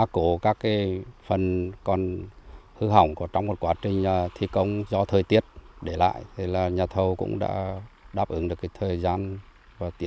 các hàng mục về